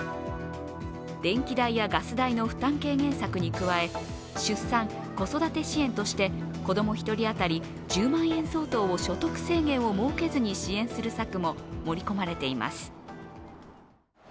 電気代やガス代の負担軽減策に加え出産・子育て支援として、子供１人当たり１０万円相当を所得制限を設けずに支援する策も盛り込まれています。